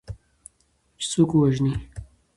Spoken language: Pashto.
چې څوک ووژني